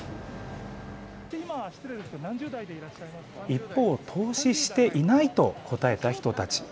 一方、投資していないと答えた人たち。